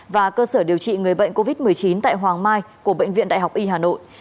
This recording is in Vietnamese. và cơ sở điều trị người bệnh covid một mươi chín tại hoàng mai của bệnh viện đại học y hà nội